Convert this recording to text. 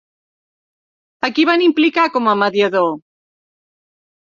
A qui van implicar com a mediador?